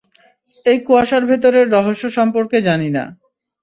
এই কুয়াশার ভেতরের রহস্য সম্পর্কে জানি না।